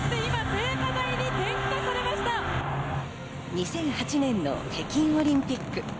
２００８年の北京オリンピック。